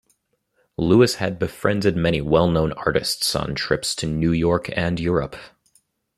Lewis had befriended many well-known artists on trips to New York and Europe.